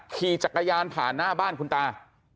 ขี่จักรยานผ่านหน้าบ้านคุณตา